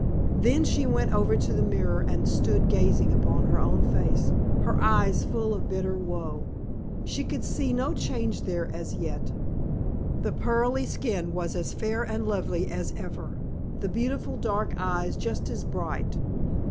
Then she went over to the mirror and stood gazing upon her own face, her eyes full of bitter woe. She could see no change there as yet. The pearly skin was as fair and lovely as ever, the beautiful dark eyes just as bright.